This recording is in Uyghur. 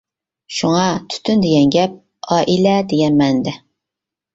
شۇڭا، «تۈتۈن» دېگەن گەپ ئائىلە دېگەن مەنىدە.